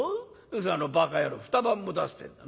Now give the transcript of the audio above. あのバカ野郎２晩も出すってんだ。